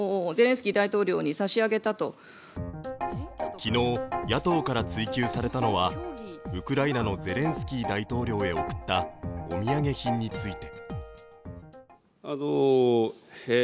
昨日、野党から追及されたのはウクライナのゼレンスキー大統領に贈ったお土産品について。